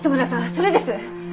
それです！